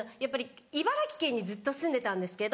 茨城県にずっと住んでたんですけど。